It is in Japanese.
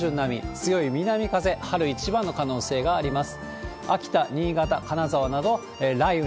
強い南風、春一番の可能性があります。